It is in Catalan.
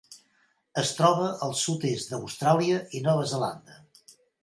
Es troba al sud-est d'Austràlia i Nova Zelanda.